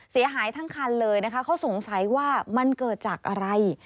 เสียหายทั้งคันเลยนะคะเขาสงสัยว่ามันเกิดจากอะไร